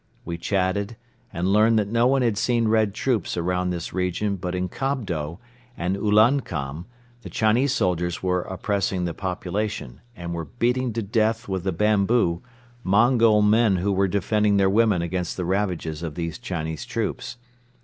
We chatted and learned that no one had seen Red troops around this region but in Kobdo and in Ulankom the Chinese soldiers were oppressing the population, and were beating to death with the bamboo Mongol men who were defending their women against the ravages of these Chinese troops.